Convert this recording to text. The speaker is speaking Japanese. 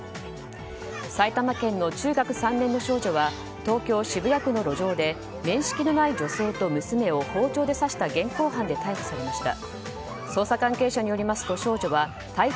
埼玉県の中学３年の少女は東京・渋谷区の路上で面識のない女性と娘を包丁で刺した現行犯で逮捕されました。